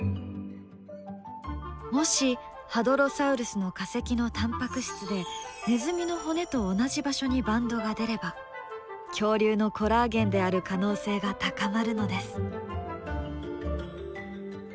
もしハドロサウルスの化石のタンパク質でネズミの骨と同じ場所にバンドが出れば恐竜のコラーゲンである可能性が高まるのです。